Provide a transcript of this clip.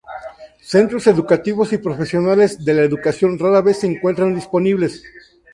Centros educativos y profesionales de la educación rara vez se encuentran disponibles.